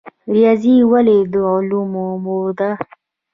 ریاضي ولې د علومو مور ده؟